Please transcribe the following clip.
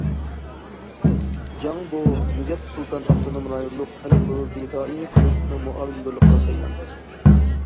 جاڭ بو، نىجات سۇلتان ئاپتونوم رايونلۇق خەلق قۇرۇلتىيى دائىمىي كومىتېتىنىڭ مۇئاۋىن مۇدىرلىقىغا سايلاندى.